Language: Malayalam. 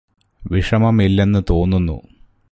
വിഷമമില്ലെന്ന് തോന്നുന്നു